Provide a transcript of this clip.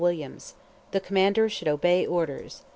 THE COMMANDER SHOULD OBEY ORDERS.